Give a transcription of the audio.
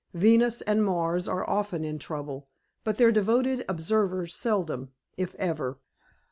Venus and Mars are often in trouble, but their devoted observers seldom, if ever."